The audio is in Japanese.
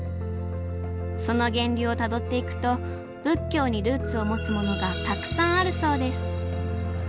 その源流をたどっていくと仏教にルーツを持つものがたくさんあるそうです。